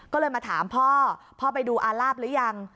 ก็เลยมาถามพ่อพ่อไปดูอาลาบหรือยัง